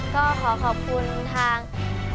ก็ขอขอบคุณทาง